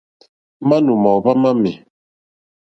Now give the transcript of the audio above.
Manù màòhva mamì.